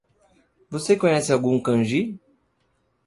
Você conhece algum kanji?